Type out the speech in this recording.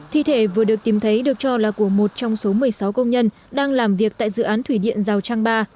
thi thể vừa được tìm thấy được cho là của một trong số một mươi sáu công nhân đang làm việc tại dự án thủy điện giao trang ba